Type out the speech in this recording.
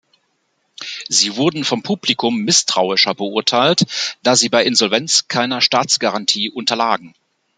Sie wurden vom Publikum misstrauischer beurteilt, da sie bei Insolvenz keiner Staatsgarantie unterlagen.